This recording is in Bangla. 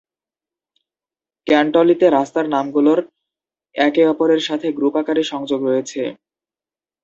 ক্যান্টলিতে রাস্তার নামগুলোর একে অপরের সাথে গ্রুপ আকারে সংযোগ রয়েছে।